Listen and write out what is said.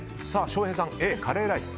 翔平さん、Ａ、カレーライス。